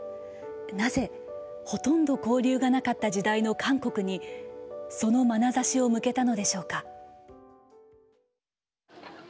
なぜほとんど交流がなかった時代の韓国にそのまなざしを向けたのでしょうか？